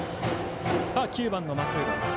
９番の松浦です。